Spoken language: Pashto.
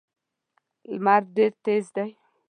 لمر ډېر تېز دی.